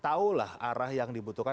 tau lah arah yang dibutuhkan